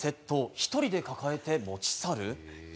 １人でかかえて持ち去る？